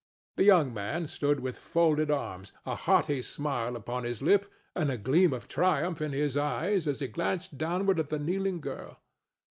The young man stood with folded arms, a haughty smile upon his lip and a gleam of triumph in his eye as he glanced downward at the kneeling girl.